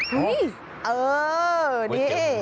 เฮ้ย